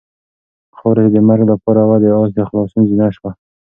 خاوره چې د مرګ لپاره وه د آس د خلاصون زینه شوه.